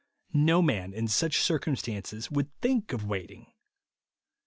No man in such circumstances w^ould think of waiting.